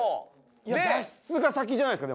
脱出が先じゃないですか？